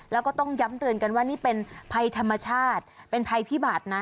แล้วก็ต้องย้ำเตือนกันว่านี่เป็นภัยธรรมชาติเป็นภัยพิบัตรนะ